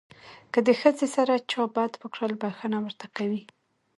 که د ښځې سره چا بد وکړل بښنه ورته کوي.